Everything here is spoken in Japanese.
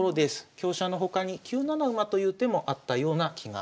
香車の他に９七馬という手もあったような気がします。